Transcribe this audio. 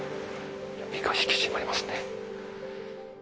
身が引き締まりますね。